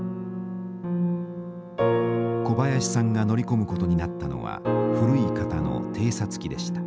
小林さんが乗り込むことになったのは古い型の偵察機でした。